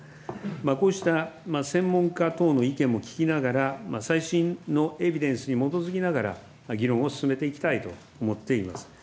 こうした専門家等の意見も聞きながら、最新のエビデンスに基づきながら、議論を進めていきたいと思っています。